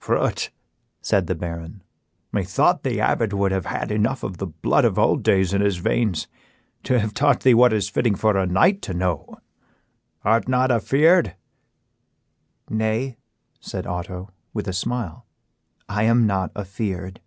"Prut," said the Baron, "methought the abbot would have had enough of the blood of old days in his veins to have taught thee what is fitting for a knight to know; art not afeared?" "Nay," said Otto, with a smile, "I am not afeared."